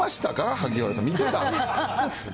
萩原さん、見てた？